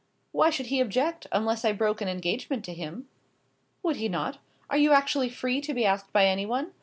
"Why should he object, unless I broke an engagement to him?" "Would he not? Are you actually free to be asked by anyone?